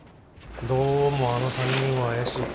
どうもあの３人は怪しい。